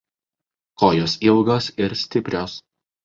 Kojos ilgos ir stiprios.